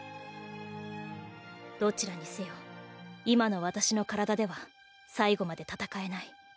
どちらにせよ今の私の体では最後まで戦えない。